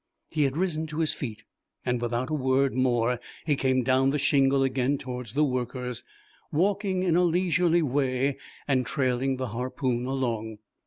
He had risen to his feet and without a word more he came down the shingle again towards the workers, walking in a leisurely way and trailing the harpoon along.